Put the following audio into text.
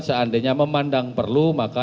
seandainya memandang perlu maka